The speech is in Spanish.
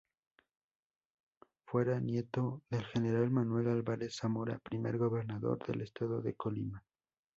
Fue nieto del General Manuel Álvarez Zamora, primer Gobernador del estado de Colima.